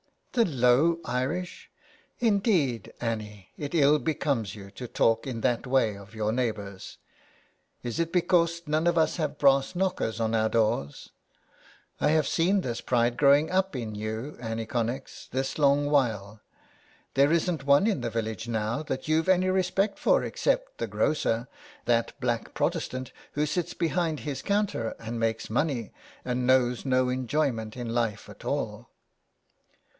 *' The low Irish ! indeed, Annie, it ill becomes you to talk in that way of your neighbours. Is it because none of us have brass knockers on our doors? I have seen this pride growing up in you, Annie Connex, this long while. There isn't one in the village now that you've any respect for except the grocer, that black Protestant, who sits behind his counter and makes money, and knows no enjoyment in life at all."